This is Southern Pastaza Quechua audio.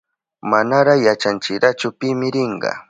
Manara yachanchirachu pimi rinka.